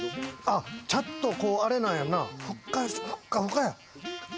ちゃんと、あれなんやな、ふっかふかや。